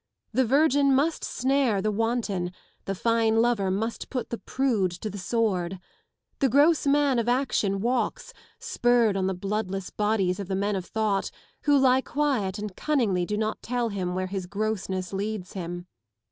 The virgin must snare the wanton, the fine lover must put the prude to the sword. The gross man of action walks, spurred on the bloodless bodies of the men of thought, who lie quiet and cunningly do not tell him where his grossness leads him.